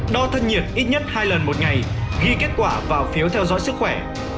đo thân nhiệt ít nhất hai lần một ngày ghi kết quả vào phiếu theo dõi sức khỏe